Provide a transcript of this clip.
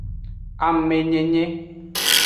Amenyenye.